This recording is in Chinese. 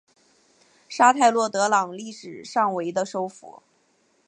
沙泰洛德朗历史上为的首府。